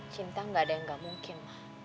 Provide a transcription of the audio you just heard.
cinta gak ada yang gak mungkin